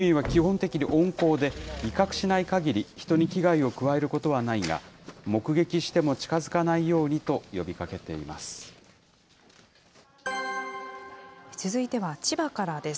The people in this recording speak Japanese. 菊池市は住民に対し、エミューは基本的に温厚で、威嚇しないかぎり人に危害を加えることはないが、目撃しても近づかないようにと呼びかけています。